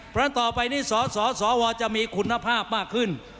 เพราะฉะนั้นต่อไปนี้สสวจะมีคุณภาพมากขึ้น